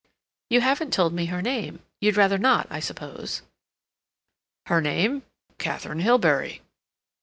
"You haven't told me her name—you'd rather not, I suppose?" "Her name? Katharine Hilbery."